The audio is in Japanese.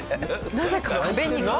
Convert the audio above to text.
なぜか壁に激突。